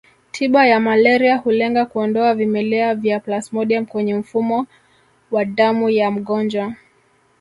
Tiba ya malaria hulenga kuondoa vimelea vya plasmodium kwenye mfumo wa damu ya mgonjwa